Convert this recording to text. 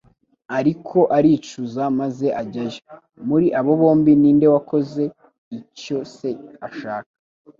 ariko aricuza maze ajyayo. Muri abo bombi ni nde wakoze icyo se ashaka?"